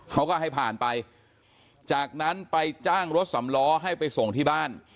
เขาก็ให้ผ่านไปจากนั้นไปจ้างรถสำล้อให้ไปส่งที่บ้าน